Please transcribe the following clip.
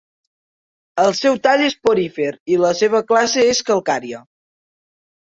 El seu tall és porífer i la seva classe és calcària.